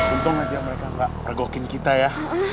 untung aja mereka gak tergokin kita ya